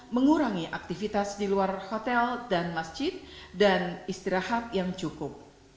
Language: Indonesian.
mengurangi aktivitas di luar hotel dan masjid dan istirahat yang cukup